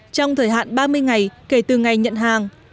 trong thời hạn ba mươi ngày kể từ ngày nhận hàng